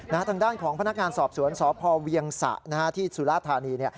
ทางด้านของพนักงานสอบสวนสพเวียงสะนะฮะที่สุราธานี